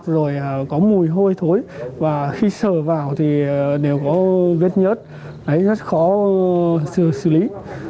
rồi có mùi hôi thối và khi sờ vào thì đều có vết nhớt đấy rất khó xử lý